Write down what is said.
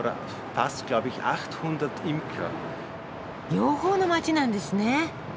養蜂の街なんですね。